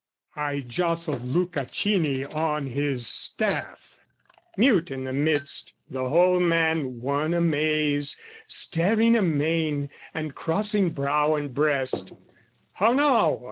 I jostled Luca Cini on his staff, Mute in the midst, the whole man one amaze, Staring amain and crossing brow and breast. "How now?"